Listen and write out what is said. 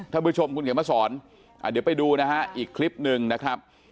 ท่านผู้ชมคุณเห็นประสอบอีกคลิปหนึ่งนะครับ